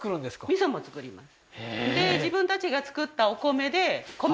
味噌も作ります